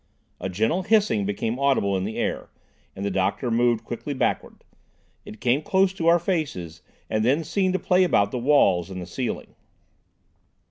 A gentle hissing became audible in the air, and the doctor moved quickly backwards. It came close to our faces and then seemed to play about the walls and ceiling.